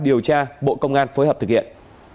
điều tra bộ công an phối hợp thực hiện